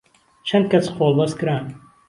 چەند کەس قۆڵبەست کران